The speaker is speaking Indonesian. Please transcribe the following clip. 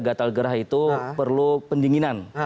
gatal gerah itu perlu pendinginan